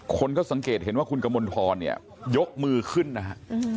คนก็สังเกตเห็นว่าคุณกมลพรเนี่ยยกมือขึ้นนะฮะ